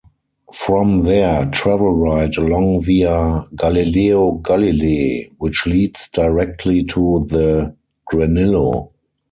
From there, travel right along via Galileo Galilei which leads directly to the Granillo.